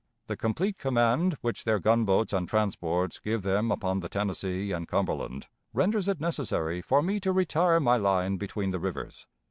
The complete command which their gunboats and transports give them upon the Tennessee and Cumberland renders it necessary for me to retire my line between the rivers.